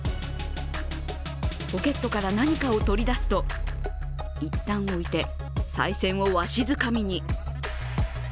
ポケットから何かを取り出すと一旦置いて、さい銭をわしづかみに。